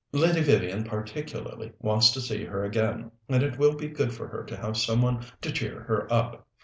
Lady Vivian particularly wants to see her again, and it will be good for her to have some one to cheer her up.